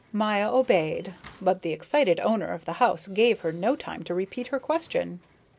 Maya obeyed, but the excited owner of the house gave her no time to repeat her question.